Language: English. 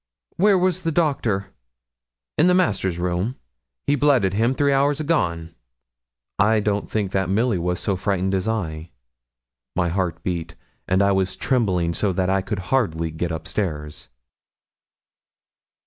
'Where was the doctor?' 'In master's room; he blooded him three hours agone.' I don't think that Milly was so frightened as I. My heart beat, and I was trembling so that I could hardly get upstairs.